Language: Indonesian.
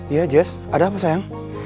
iya jazz ada apa sayang